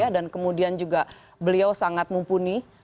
dan kemudian juga beliau sangat mumpuni